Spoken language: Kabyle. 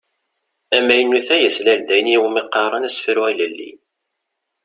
Amaynut-a yeslal-d ayen i wumi qqaren asefru ilelli.